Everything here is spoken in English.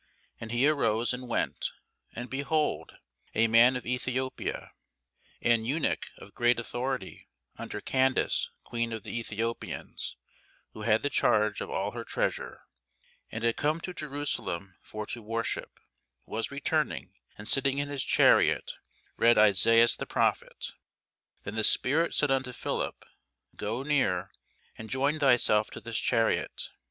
And he arose and went: and, behold, a man of Ethiopia, an eunuch of great authority under Candace queen of the Ethiopians, who had the charge of all her treasure, and had come to Jerusalem for to worship, was returning, and sitting in his chariot read Esaias the prophet. Then the Spirit said unto Philip, Go near, and join thyself to this chariot.